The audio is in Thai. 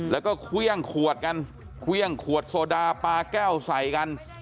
แล้วก็เครื่องขวดกันเครื่องขวดโซดาปลาแก้วใส่กัน